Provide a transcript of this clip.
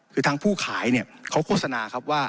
คือทางผู้ขายเนี่ยเขาโฆษณาครับว่า